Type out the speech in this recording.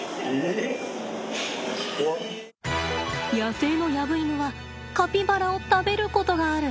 野生のヤブイヌはカピバラを食べることがある。